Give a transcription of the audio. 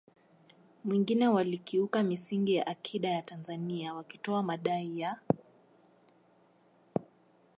mwingine walikiuka misingi ya akida ya Tanzania wakitoa madai ya